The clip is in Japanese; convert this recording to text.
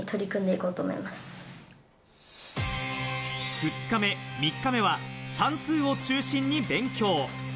２日目、３日目は算数を中心に勉強。